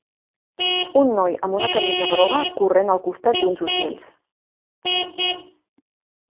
Un noi amb una camisa groga corrent al costat d'uns ocells.